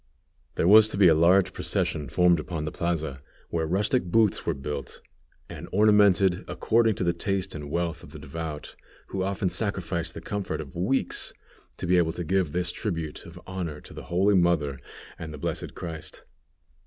There was to be a large procession formed upon the plaza, where rustic booths were built, and ornamented according to the taste and wealth of the devout, who often sacrificed the comfort of weeks, to be able to give this tribute of honor to the Holy Mother and the Blessed Christ.